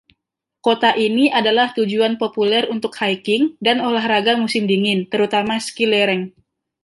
Kota ini adalah tujuan populer untuk hiking dan olahraga musim dingin, terutama ski lereng.